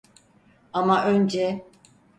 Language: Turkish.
Ama önce…